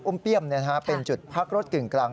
เปี้ยมเป็นจุดพักรถกึ่งกลาง